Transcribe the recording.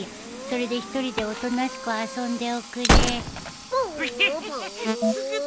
それで１人でおとなしく遊んでおくれブーブー。